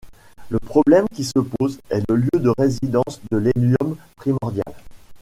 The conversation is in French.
Le problème qui se pose est le lieu de résidence de l'hélium primordial.